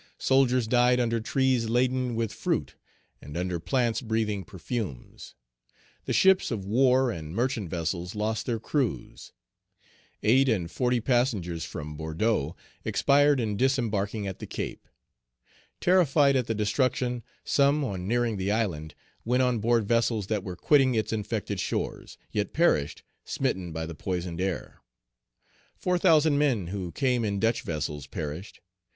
Soldiers died under trees laden with fruit, and under plants breathing perfumes. The ships of war and merchant vessels lost their crews. Eight and forty passengers from Bordeaux expired in disembarking at the Cape. Terrified at the destruction, some, on nearing the island, went on board vessels that were quitting its infected shores, yet perished, smitten by the poisoned air. Four thousand men who came in Dutch vessels perished.